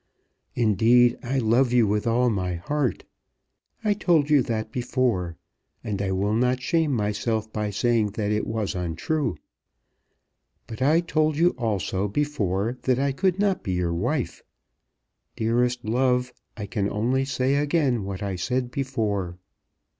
Indeed, I love you with all my heart. I told you that before, and I will not shame myself by saying that it was untrue. But I told you also before that I could not be your wife. Dearest love, I can only say again what I said before.